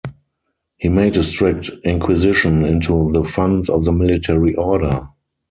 He made a strict inquisition into the funds of the military order.